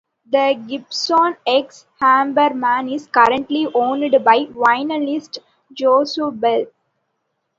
The "Gibson ex-Huberman" is currently owned by violinist Joshua Bell.